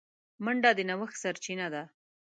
منډه د نوښت سرچینه ده